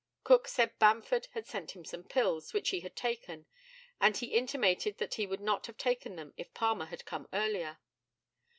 Cook said Bamford had sent him some pills, which he had taken; and he intimated that he would not have taken them if Palmer had come earlier.